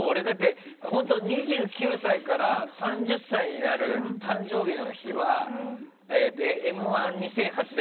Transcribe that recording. ２９歳から３０歳になる誕生日の日は「Ｍ‐１」２００８で。